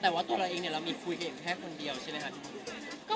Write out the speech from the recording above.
แต่ว่าตัวเราเองเนี่ยเราไม่คุยกับเองแค่คนเดียวใช่มั้ยคะ